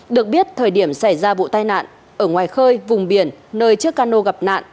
được biết thời điểm xảy ra vụ tai nạn ở ngoài khơi vùng biển nơi chiếc cano gặp nạn